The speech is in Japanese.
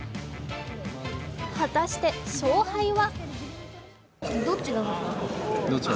果たして勝敗は？